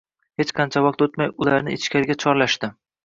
Hech qancha vaqt o`tmay ularni ichkariga chorlashdi